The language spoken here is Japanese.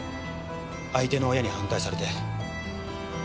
相手の親に反対されて。